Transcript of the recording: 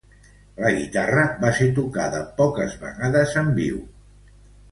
La guitarra va ser tocada poques vegades en viu.